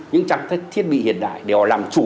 những trang thiết bị hiện đại để họ làm chủ